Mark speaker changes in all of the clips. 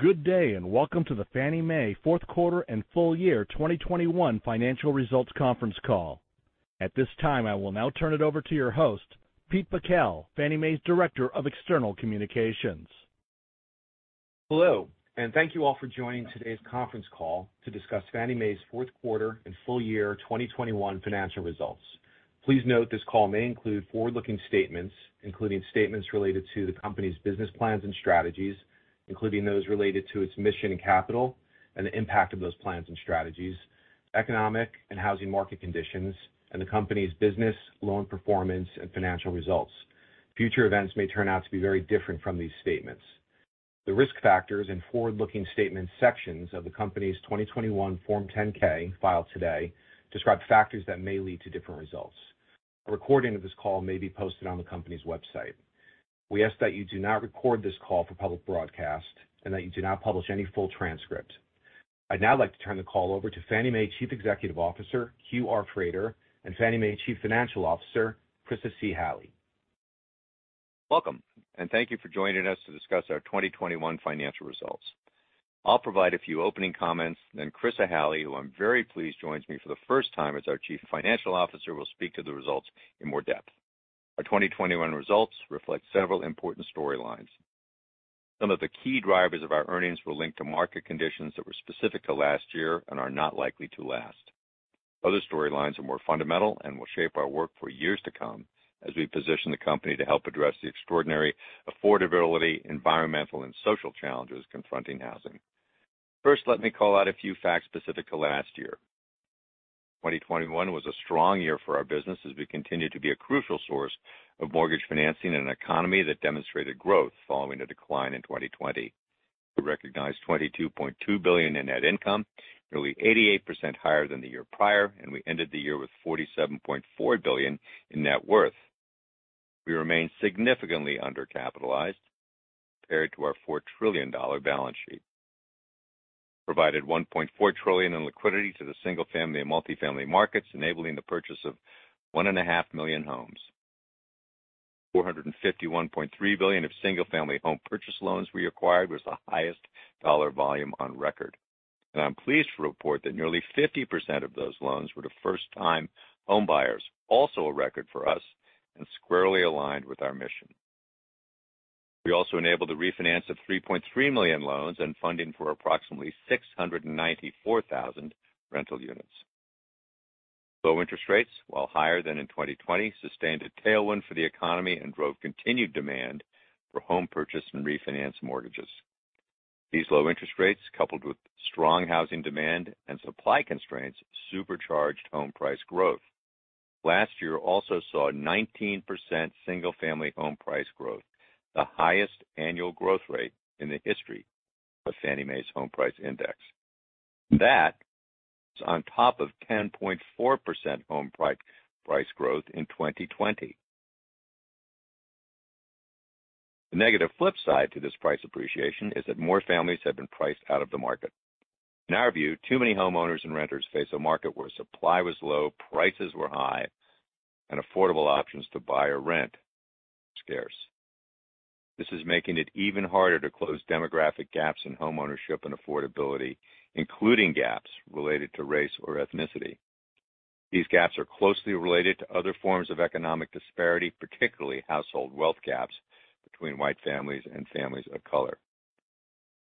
Speaker 1: Good day, and welcome to the Fannie Mae fourth quarter and full year 2021 financial results conference call. At this time, I will now turn it over to your host, Pete Bakel, Fannie Mae's Director of External Communications.
Speaker 2: Hello, and thank you all for joining today's conference call to discuss Fannie Mae's fourth quarter and full year 2021 financial results. Please note this call may include forward-looking statements, including statements related to the company's business plans and strategies, including those related to its mission and capital and the impact of those plans and strategies, economic and housing market conditions, and the company's business loan performance and financial results. Future events may turn out to be very different from these statements. The risk factors and forward-looking statement sections of the company's 2021 Form 10-K filed today describe factors that may lead to different results. A recording of this call may be posted on the company's website. We ask that you do not record this call for public broadcast and that you do not publish any full transcript. I'd now like to turn the call over to Fannie Mae Chief Executive Officer, Hugh R. Frater, and Fannie Mae Chief Financial Officer, Chryssa C. Halley.
Speaker 3: Welcome, and thank you for joining us to discuss our 2021 financial results. I'll provide a few opening comments, then Chryssa C. Halley, who I'm very pleased joins me for the first time as our Chief Financial Officer, will speak to the results in more depth. Our 2021 results reflect several important storylines. Some of the key drivers of our earnings were linked to market conditions that were specific to last year and are not likely to last. Other storylines are more fundamental and will shape our work for years to come as we position the company to help address the extraordinary affordability, environmental, and social challenges confronting housing. First, let me call out a few facts specific to last year. 2021 was a strong year for our business as we continued to be a crucial source of mortgage financing in an economy that demonstrated growth following a decline in 2020. We recognized $22.2 billion in net income, nearly 88% higher than the year prior, and we ended the year with $47.4 billion in net worth. We remain significantly undercapitalized compared to our $4 trillion balance sheet. We provided $1.4 trillion in liquidity to the single-family and multi-family markets, enabling the purchase of 1.5 million homes. $451.3 billion of single-family home purchase loans we acquired was the highest dollar volume on record. I'm pleased to report that nearly 50% of those loans were to first-time homebuyers, also a record for us and squarely aligned with our mission. We also enabled the refinance of 3.3 million loans and funding for approximately 694,000 rental units. Low interest rates, while higher than in 2020, sustained a tailwind for the economy and drove continued demand for home purchase and refinance mortgages. These low interest rates, coupled with strong housing demand and supply constraints, supercharged home price growth. Last year also saw 19% single-family home price growth, the highest annual growth rate in the history of Fannie Mae's Home Price Index. That is on top of 10.4% home price growth in 2020. The negative flip side to this price appreciation is that more families have been priced out of the market. In our view, too many homeowners and renters face a market where supply was low, prices were high, and affordable options to buy or rent scarce. This is making it even harder to close demographic gaps in homeownership and affordability, including gaps related to race or ethnicity. These gaps are closely related to other forms of economic disparity, particularly household wealth gaps between white families and families of color.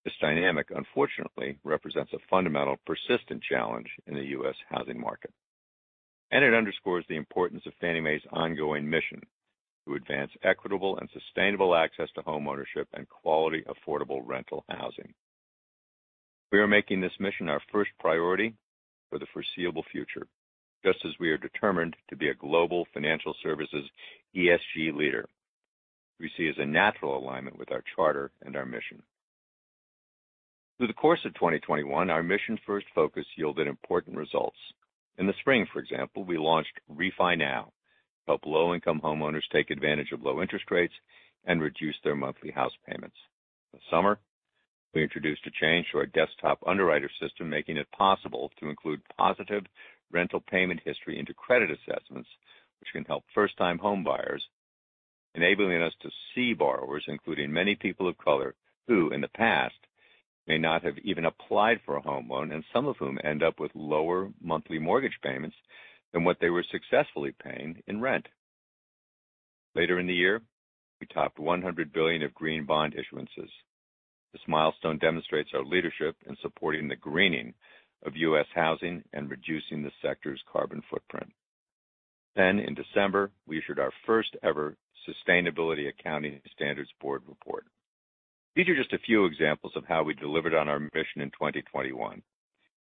Speaker 3: This dynamic, unfortunately, represents a fundamental persistent challenge in the U.S. housing market, and it underscores the importance of Fannie Mae's ongoing mission to advance equitable and sustainable access to homeownership and quality, affordable rental housing. We are making this mission our first priority for the foreseeable future, just as we are determined to be a global financial services ESG leader, we see as a natural alignment with our charter and our mission. Through the course of 2021, our mission-first focus yielded important results. In the spring, for example, we launched RefiNow to help low-income homeowners take advantage of low interest rates and reduce their monthly house payments. In the summer, we introduced a change to our Desktop Underwriter system, making it possible to include positive rental payment history into credit assessments, which can help first-time homebuyers, enabling us to see borrowers, including many people of color, who in the past may not have even applied for a home loan and some of whom end up with lower monthly mortgage payments than what they were successfully paying in rent. Later in the year, we topped $100 billion of Green Bond issuances. This milestone demonstrates our leadership in supporting the greening of U.S. housing and reducing the sector's carbon footprint. In December, we issued our first ever Sustainability Accounting Standards Board report. These are just a few examples of how we delivered on our mission in 2021.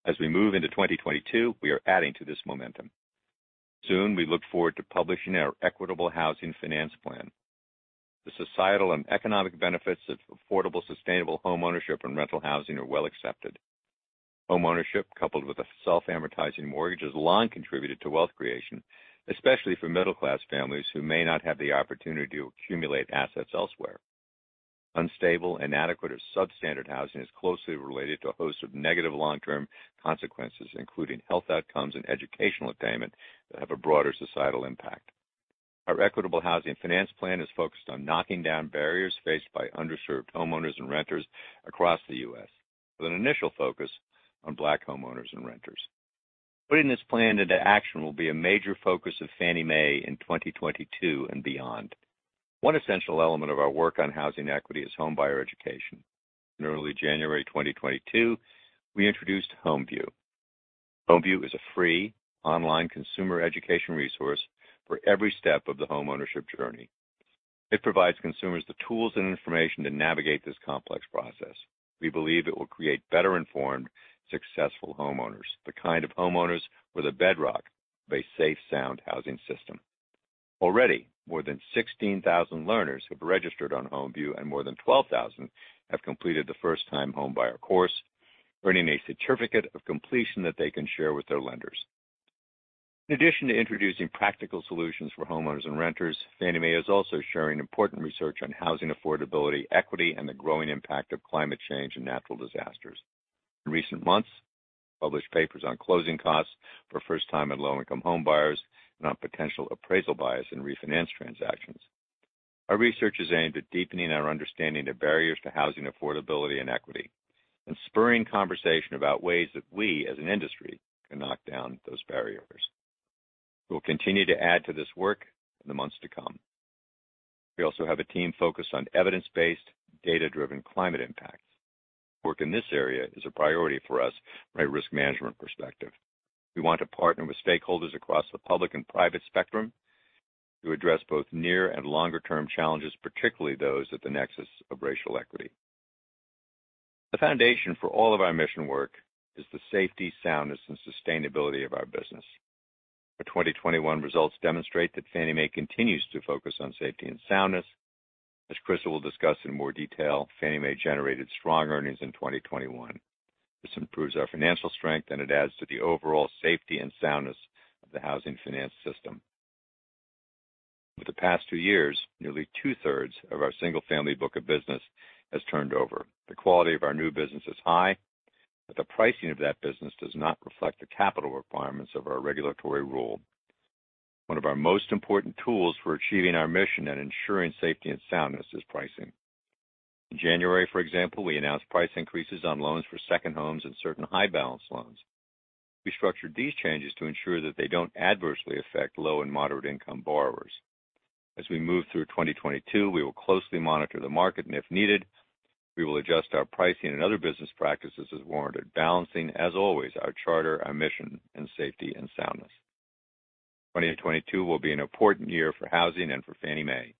Speaker 3: As we move into 2022, we are adding to this momentum. Soon, we look forward to publishing our Equitable Housing Finance Plan. The societal and economic benefits of affordable, sustainable homeownership and rental housing are well accepted. Homeownership, coupled with a self-amortizing mortgage, has long contributed to wealth creation, especially for middle-class families who may not have the opportunity to accumulate assets elsewhere. Unstable, inadequate, or substandard housing is closely related to a host of negative long-term consequences, including health outcomes and educational attainment that have a broader societal impact. Our Equitable Housing Finance Plan is focused on knocking down barriers faced by underserved homeowners and renters across the U.S., with an initial focus on Black homeowners and renters. Putting this plan into action will be a major focus of Fannie Mae in 2022 and beyond. One essential element of our work on housing equity is homebuyer education. In early January 2022, we introduced HomeView. HomeView is a free online consumer education resource for every step of the homeownership journey. It provides consumers the tools and information to navigate this complex process. We believe it will create better-informed, successful homeowners, the kind of homeowners who are the bedrock of a safe, sound housing system. Already, more than 16,000 learners have registered on HomeView, and more than 12,000 have completed the first-time homebuyer course, earning a certificate of completion that they can share with their lenders. In addition to introducing practical solutions for homeowners and renters, Fannie Mae is also sharing important research on housing affordability, equity, and the growing impact of climate change and natural disasters. In recent months, we have published papers on closing costs for first-time and low-income homebuyers and on potential appraisal bias in refinance transactions. Our research is aimed at deepening our understanding of barriers to housing affordability and equity and spurring conversation about ways that we as an industry can knock down those barriers. We'll continue to add to this work in the months to come. We also have a team focused on evidence-based, data-driven climate impacts. Work in this area is a priority for us from a risk management perspective. We want to partner with stakeholders across the public and private spectrum to address both near and longer-term challenges, particularly those at the nexus of racial equity. The foundation for all of our mission work is the safety, soundness, and sustainability of our business. Our 2021 results demonstrate that Fannie Mae continues to focus on safety and soundness. As Chryssa will discuss in more detail, Fannie Mae generated strong earnings in 2021. This improves our financial strength, and it adds to the overall safety and soundness of the housing finance system. Over the past two years, nearly two-thirds of our single-family book of business has turned over. The quality of our new business is high, but the pricing of that business does not reflect the capital requirements of our regulatory rule. One of our most important tools for achieving our mission and ensuring safety and soundness is pricing. In January, for example, we announced price increases on loans for second homes and certain high-balance loans. We structured these changes to ensure that they don't adversely affect low and moderate-income borrowers. As we move through 2022, we will closely monitor the market, and if needed, we will adjust our pricing and other business practices as warranted, balancing, as always, our charter, our mission, and safety and soundness. 2022 will be an important year for housing and for Fannie Mae.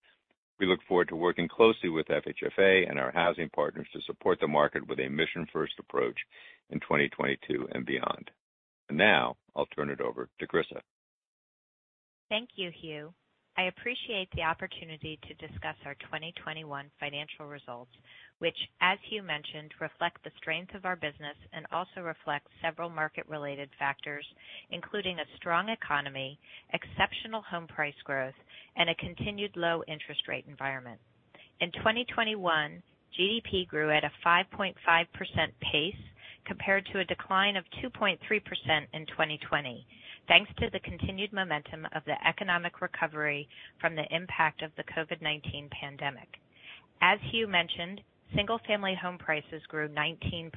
Speaker 3: We look forward to working closely with FHFA and our housing partners to support the market with a mission-first approach in 2022 and beyond. Now I'll turn it over to Chryssa.
Speaker 4: Thank you, Hugh. I appreciate the opportunity to discuss our 2021 financial results, which, as Hugh mentioned, reflect the strength of our business and also reflect several market-related factors, including a strong economy, exceptional home price growth, and a continued low interest rate environment. In 2021, GDP grew at a 5.5% pace compared to a decline of 2.3% in 2020, thanks to the continued momentum of the economic recovery from the impact of the COVID-19 pandemic. As Hugh mentioned, single-family home prices grew 19%.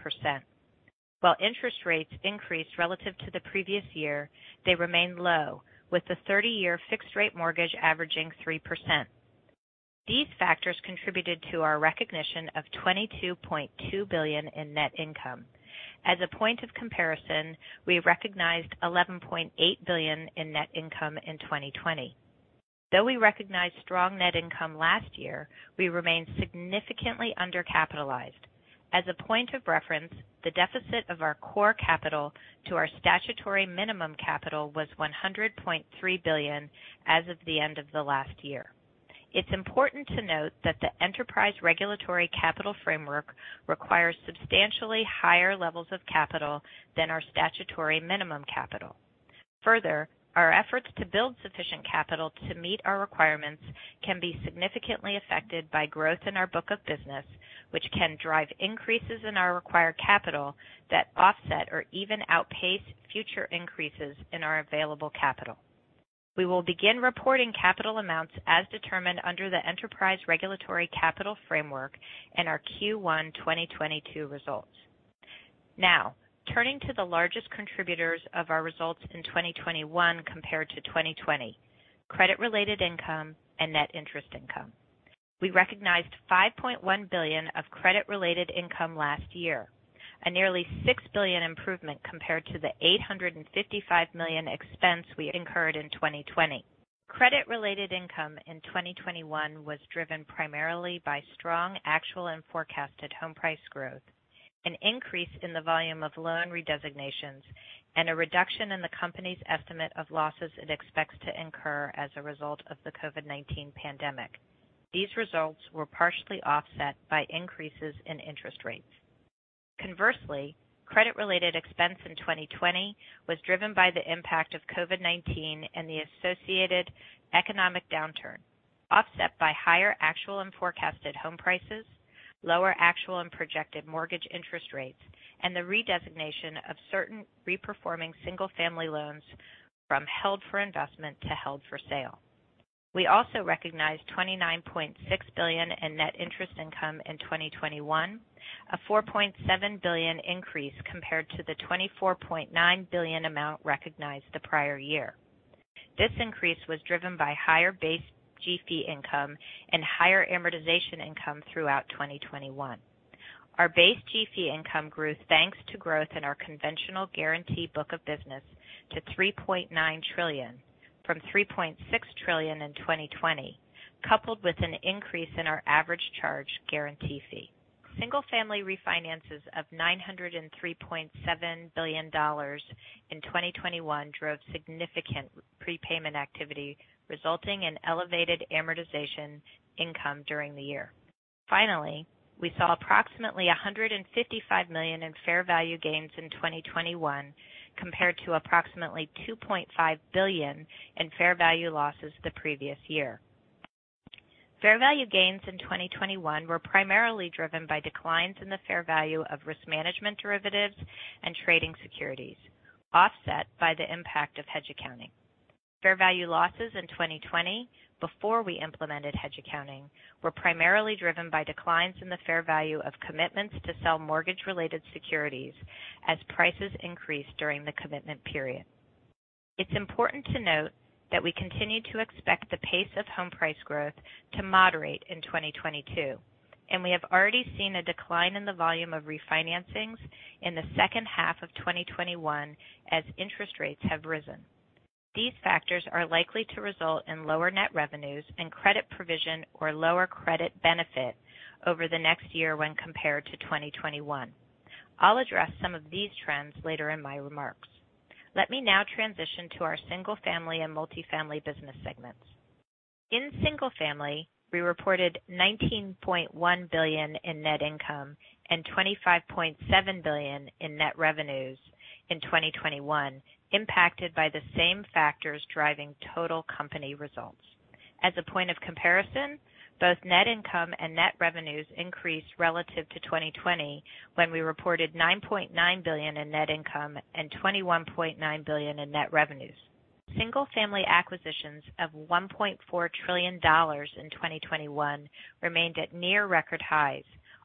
Speaker 4: While interest rates increased relative to the previous year, they remained low, with the 30-year fixed-rate mortgage averaging 3%. These factors contributed to our recognition of $22.2 billion in net income. As a point of comparison, we recognized $11.8 billion in net income in 2020. Though we recognized strong net income last year, we remain significantly undercapitalized. As a point of reference, the deficit of our core capital to our statutory minimum capital was $100.3 billion as of the end of the last year. It's important to note that the Enterprise Regulatory Capital Framework requires substantially higher levels of capital than our statutory minimum capital. Further, our efforts to build sufficient capital to meet our requirements can be significantly affected by growth in our book of business, which can drive increases in our required capital that offset or even outpace future increases in our available capital. We will begin reporting capital amounts as determined under the Enterprise Regulatory Capital Framework in our Q1 2022 results. Now, turning to the largest contributors of our results in 2021 compared to 2020, credit-related income and net interest income. We recognized $5.1 billion of credit-related income last year, a nearly $6 billion improvement compared to the $855 million expense we incurred in 2020. Credit-related income in 2021 was driven primarily by strong actual and forecasted home price growth, an increase in the volume of loan redesignations, and a reduction in the company's estimate of losses it expects to incur as a result of the COVID-19 pandemic. These results were partially offset by increases in interest rates. Conversely, credit-related expense in 2020 was driven by the impact of COVID-19 and the associated economic downturn, offset by higher actual and forecasted home prices, lower actual and projected mortgage interest rates, and the redesignation of certain reperforming single-family loans from held for investment to held for sale. We recognized $29.6 billion in net interest income in 2021, a $4.7 billion increase compared to the $24.9 billion amount recognized the prior year. This increase was driven by higher base G-fee income and higher amortization income throughout 2021. Our base G-fee income grew thanks to growth in our conventional guarantee book of business to $3.9 trillion from $3.6 trillion in 2020, coupled with an increase in our average charged G-fee. Single-Family refinances of $903.7 billion in 2021 drove significant prepayment activity, resulting in elevated amortization income during the year. Finally, we saw approximately $155 million in fair value gains in 2021 compared to approximately $2.5 billion in fair value losses the previous year. Fair value gains in 2021 were primarily driven by declines in the fair value of risk management derivatives and trading securities, offset by the impact of hedge accounting. Fair value losses in 2020 before we implemented hedge accounting were primarily driven by declines in the fair value of commitments to sell mortgage-related securities as prices increased during the commitment period. It's important to note that we continue to expect the pace of home price growth to moderate in 2022, and we have already seen a decline in the volume of refinancings in the second half of 2021 as interest rates have risen. These factors are likely to result in lower net revenues and credit provision or lower credit benefit over the next year when compared to 2021. I'll address some of these trends later in my remarks. Let me now transition to our Single-Family and Multifamily business segments. In Single-Family, we reported $19.1 billion in net income and $25.7 billion in net revenues in 2021, impacted by the same factors driving total company results. As a point of comparison, both net income and net revenues increased relative to 2020 when we reported $9.9 billion in net income and $21.9 billion in net revenues. Single-Family acquisitions of $1.4 trillion in 2021 remained at near record highs,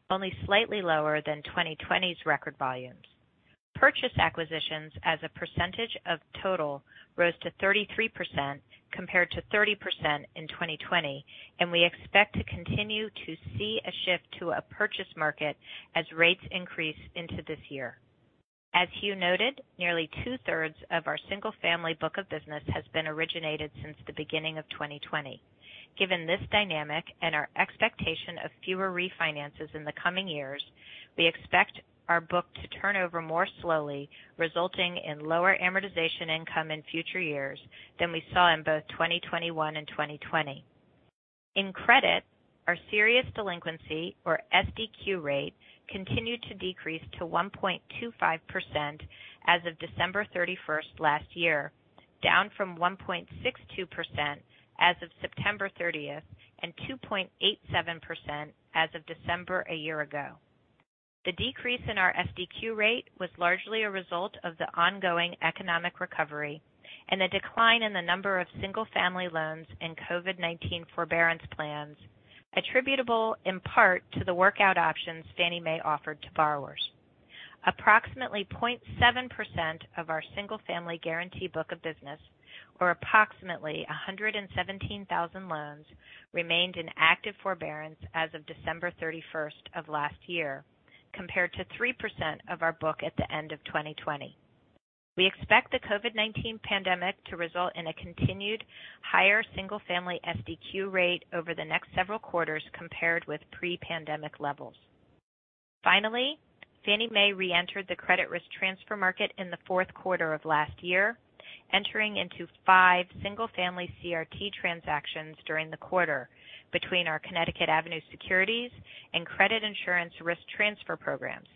Speaker 4: only slightly lower than 2020's record volumes. Purchase acquisitions as a percentage of total rose to 33% compared to 30% in 2020, and we expect to continue to see a shift to a purchase market as rates increase into this year. As Hugh noted, nearly two-thirds of our single-family book of business has been originated since the beginning of 2020. Given this dynamic and our expectation of fewer refinances in the coming years, we expect our book to turn over more slowly, resulting in lower amortization income in future years than we saw in both 2021 and 2020. In credit, our serious delinquency or SDQ rate continued to decrease to 1.25% as of December 31st last year, down from 1.62% as of September 30 and 2.87% as of December a year ago. The decrease in our SDQ rate was largely a result of the ongoing economic recovery and a decline in the number of single-family loans in COVID-19 forbearance plans, attributable in part to the workout options Fannie Mae offered to borrowers. Approximately 0.7% of our single-family guarantee book of business or approximately 117,000 loans remained in active forbearance as of December 31st of last year, compared to 3% of our book at the end of 2020. We expect the COVID-19 pandemic to result in a continued higher single-family SDQ rate over the next several quarters compared with pre-pandemic levels. Finally, Fannie Mae reentered the credit risk transfer market in the fourth quarter of last year, entering into five single-family CRT transactions during the quarter between our Connecticut Avenue Securities and Credit Insurance Risk Transfer programs.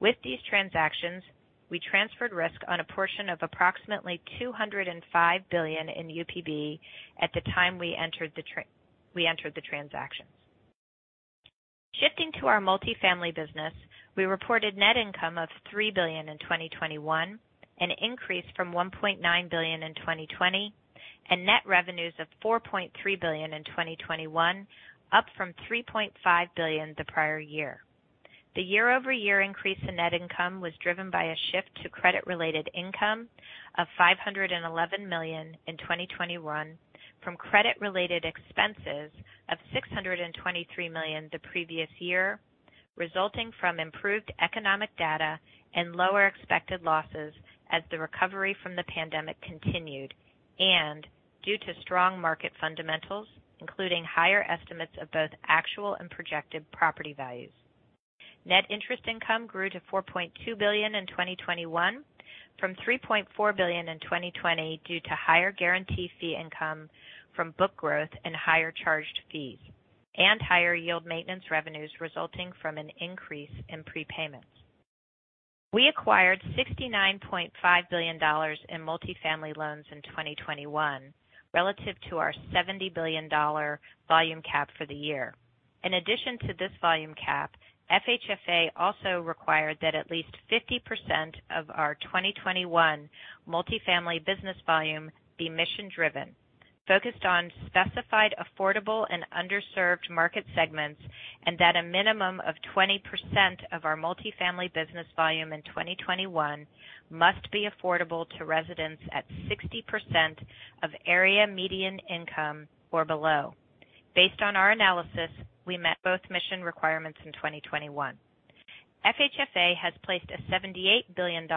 Speaker 4: With these transactions, we transferred risk on a portion of approximately $205 billion in UPB at the time we entered the transactions. Shifting to our multifamily business, we reported net income of $3 billion in 2021, an increase from $1.9 billion in 2020, and net revenues of $4.3 billion in 2021, up from $3.5 billion the prior year. The year-over-year increase in net income was driven by a shift to credit-related income of $511 million in 2021 from credit-related expenses of $623 million the previous year, resulting from improved economic data and lower expected losses as the recovery from the pandemic continued and due to strong market fundamentals, including higher estimates of both actual and projected property values. Net interest income grew to $4.2 billion in 2021 from $3.4 billion in 2020 due to higher guarantee fee income from book growth and higher charged fees. Higher yield maintenance revenues resulting from an increase in prepayments. We acquired $69.5 billion in multifamily loans in 2021 relative to our $70 billion volume cap for the year. In addition to this volume cap, FHFA also required that at least 50% of our 2021 multifamily business volume be mission-driven, focused on specified affordable and underserved market segments, and that a minimum of 20% of our multifamily business volume in 2021 must be affordable to residents at 60% of Area Median Income or below. Based on our analysis, we met both mission requirements in 2021. FHFA has placed a $78 billion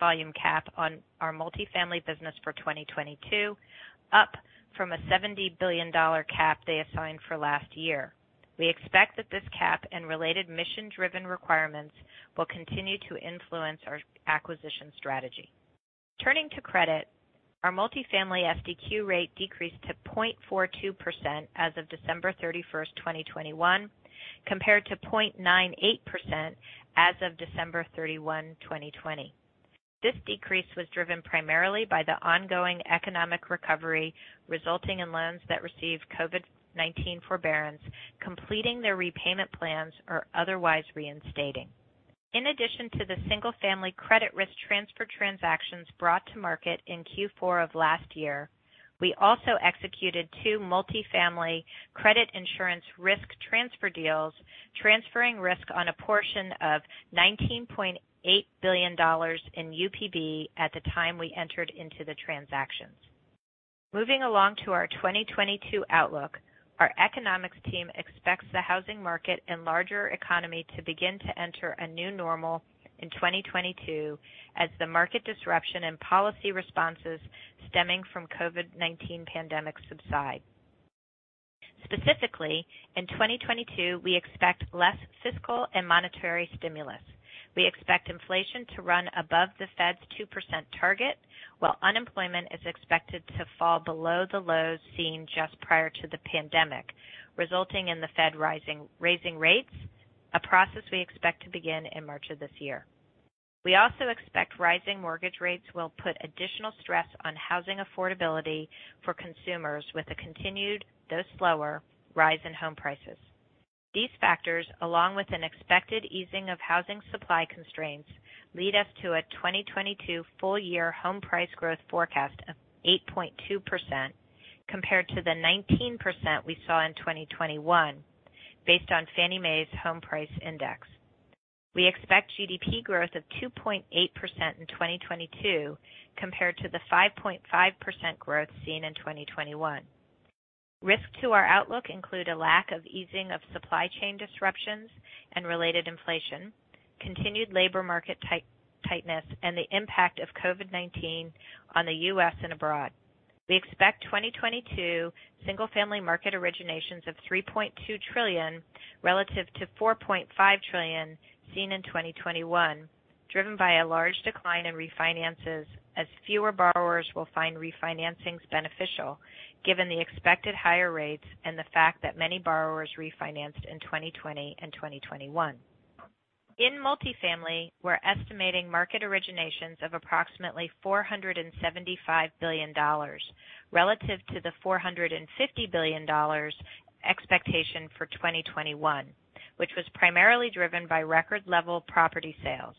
Speaker 4: volume cap on our multifamily business for 2022, up from a $70 billion cap they assigned for last year. We expect that this cap and related mission-driven requirements will continue to influence our acquisition strategy. Turning to credit, our multifamily SDQ rate decreased to 0.42% as of December 31, 2021, compared to 0.98% as of December 31, 2020. This decrease was driven primarily by the ongoing economic recovery, resulting in loans that received COVID-19 forbearance, completing their repayment plans, or otherwise reinstating. In addition to the single family credit risk transfer transactions brought to market in Q4 of last year, we also executed two multifamily Credit Insurance Risk Transfer deals, transferring risk on a portion of $19.8 billion in UPB at the time we entered into the transactions. Moving along to our 2022 outlook. Our economics team expects the housing market and larger economy to begin to enter a new normal in 2022 as the market disruption and policy responses stemming from COVID-19 pandemic subside. Specifically, in 2022, we expect less fiscal and monetary stimulus. We expect inflation to run above the Fed's 2% target, while unemployment is expected to fall below the lows seen just prior to the pandemic, resulting in the Fed raising rates, a process we expect to begin in March of this year. We also expect rising mortgage rates will put additional stress on housing affordability for consumers with a continued, though slower, rise in home prices. These factors, along with an expected easing of housing supply constraints, lead us to a 2022 full year home price growth forecast of 8.2% compared to the 19% we saw in 2021 based on Fannie Mae's Home Price Index. We expect GDP growth of 2.8% in 2022 compared to the 5.5% growth seen in 2021. Risks to our outlook include a lack of easing of supply chain disruptions and related inflation, continued labor market tightness, and the impact of COVID-19 on the U.S. and abroad. We expect 2022 single-family market originations of $3.2 trillion relative to $4.5 trillion seen in 2021, driven by a large decline in refinances as fewer borrowers will find refinancing beneficial given the expected higher rates and the fact that many borrowers refinanced in 2020 and 2021. In multifamily, we're estimating market originations of approximately $475 billion relative to the $450 billion expectation for 2021, which was primarily driven by record level property sales.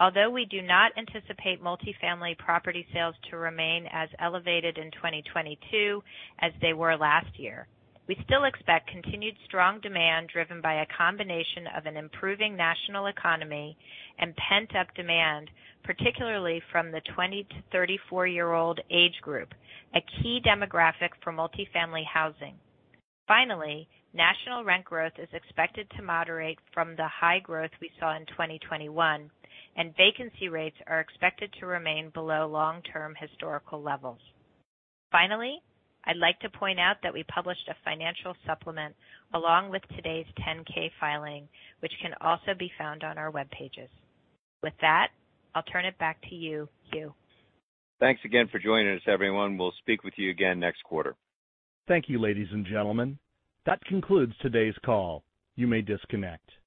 Speaker 4: Although we do not anticipate multifamily property sales to remain as elevated in 2022 as they were last year, we still expect continued strong demand driven by a combination of an improving national economy and pent-up demand, particularly from the 20-year-old to 34-year-old age group, a key demographic for multifamily housing. Finally, national rent growth is expected to moderate from the high growth we saw in 2021, and vacancy rates are expected to remain below long-term historical levels. Finally, I'd like to point out that we published a financial supplement along with today's 10-K filing, which can also be found on our web pages. With that, I'll turn it back to you, Hugh.
Speaker 3: Thanks again for joining us, everyone. We'll speak with you again next quarter.
Speaker 1: Thank you, ladies and gentlemen. That concludes today's call. You may disconnect.